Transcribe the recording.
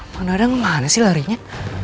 mak dadang mana sih larinya